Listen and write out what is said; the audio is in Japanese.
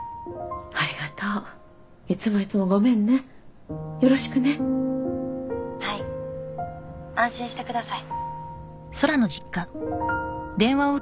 ありがとういつもいつもごめんねよろしくねはい安心してください